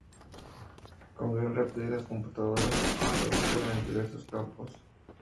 Con gran rapidez las computadoras se introdujeron en diversos campos.